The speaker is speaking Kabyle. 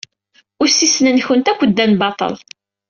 Ussisen-nwent akk ddan baṭel.